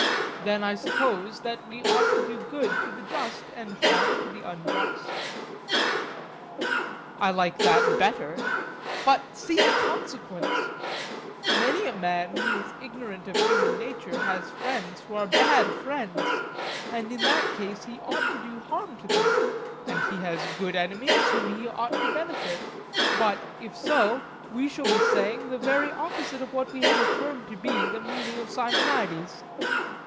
Then I suppose that we ought to do good to the just and harm to the unjust? I like that better. But see the consequence:—Many a man who is ignorant of human nature has friends who are bad friends, and in that case he ought to do harm to them; and he has good enemies whom he ought to benefit; but, if so, we shall be saying the very opposite of that which we affirmed to be the meaning of Simonides.